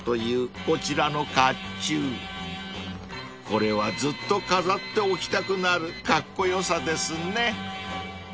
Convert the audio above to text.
［これはずっと飾っておきたくなるカッコよさですね］